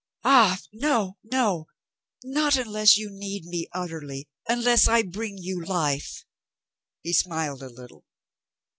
"Ah, no, no ! Not unless you need me utterly, unless I bring you life." He smiled a little.